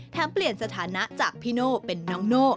เปลี่ยนสถานะจากพี่โน่เป็นน้องโน่